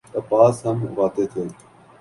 کپاس ہم اگاتے تھے۔